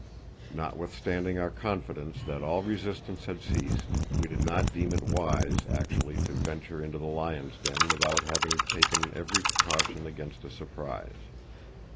Notwithstanding our confidence that all resistance had ceased, we did not deem it wise actually to venture into the lion's den without having taken every precaution against a surprise.